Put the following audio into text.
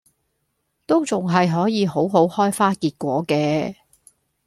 都仲係可以好好開花結果嘅